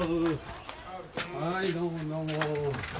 はいどうもどうも。